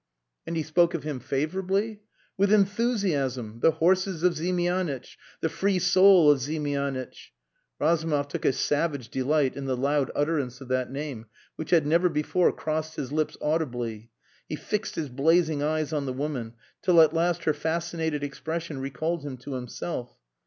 "And he spoke of him favourably?" "With enthusiasm! The horses of Ziemianitch! The free soul of Ziemianitch!" Razumov took a savage delight in the loud utterance of that name, which had never before crossed his lips audibly. He fixed his blazing eyes on the woman till at last her fascinated expression recalled him to himself.